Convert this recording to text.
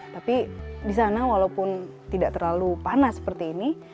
tapi di sana walaupun tidak terlalu panas seperti ini